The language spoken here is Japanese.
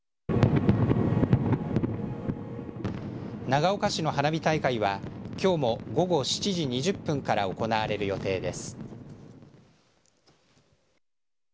長岡市の花火大会はきょうも午後７時２０分から行われる予定です。